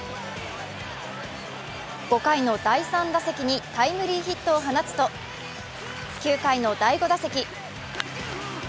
５回の第３打席にタイムリーヒットを放つと９回の第５打席。